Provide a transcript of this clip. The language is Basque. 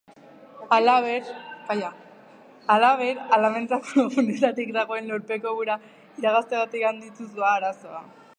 Halaber, aldamenetako guneetatik dagoen lurpeko ura iragazteagatik handituz doa arazoa.